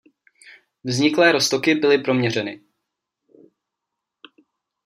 Vzniklé roztoky byly proměřeny.